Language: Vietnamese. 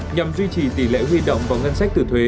nhằm duy trì tỷ lệ huy động vào ngân sách từ thuế